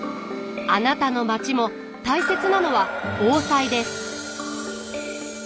あなたの町も大切なのは防災です。